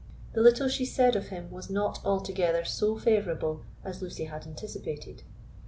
The little she said of him was not altogether so favourable as Lucy had anticipated.